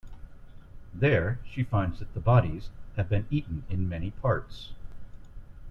There, she finds that the bodies have been eaten in many parts.